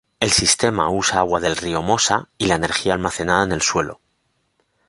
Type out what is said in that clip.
El sistema usa agua del río Mosa y la energía almacenada en el suelo.